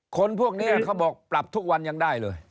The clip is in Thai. คนพวกนี้เขาบอกปรับทุกวันยังได้เลย